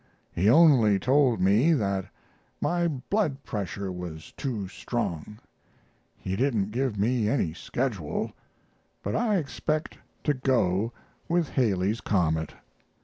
He only told me that my blood pressure was too strong. He didn't give me any schedule; but I expect to go with Halley's comet."